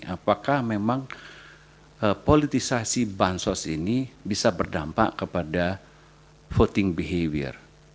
apakah memang politisasi bansos ini bisa berdampak kepada voting behavior